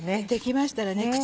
できましたらね